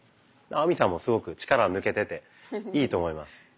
亜美さんもすごく力抜けてていいと思います。